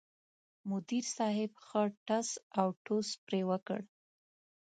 مدیر صاحب ښه ټس اوټوس پرې وکړ.